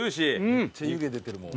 めっちゃ湯気出てるもん。